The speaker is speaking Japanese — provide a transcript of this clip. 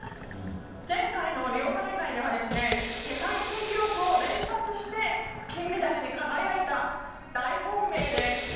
前回のリオ大会では世界新記録を連発して金メダルに輝いた大本命です。